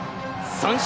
三振！